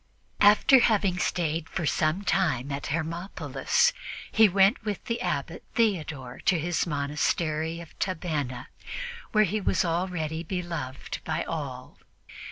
After having stayed for some time at Hermopolis, he went with the Abbot Theodore to his monastery of Tabenna, where he was already beloved by all.